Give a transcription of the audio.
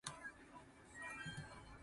乞食身皇帝喙